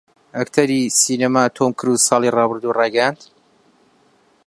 ئەکتەری سینەما تۆم کرووز ساڵی ڕابردوو ڕایگەیاند